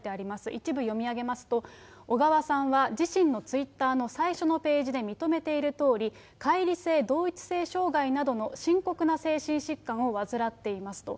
一部読み上げますと、小川さんは自身のツイッターの最初のページで認めているとおり、解離性同一性障害などの深刻な精神疾患を患っていますと。